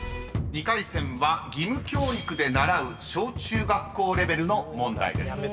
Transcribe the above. ［２回戦は義務教育で習う小中学校レベルの問題です］